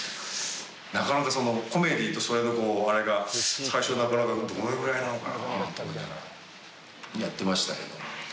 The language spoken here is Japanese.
なかなかコメディーとそれのこうあれが最初なかなかどれぐらいなのかなと思いながらやってましたけど。